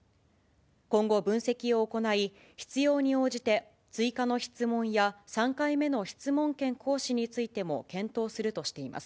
今後、分析を行い、必要に応じて、追加の質問や、３回目の質問権行使についても検討するとしています。